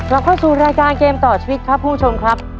เราเข้าสู่รายการเกมต่อชีวิตครับคุณผู้ชมครับ